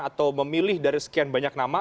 atau memilih dari sekian banyak nama